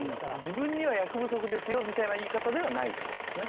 「自分には役不足ですよ」みたいな言い方ではないって事ですね。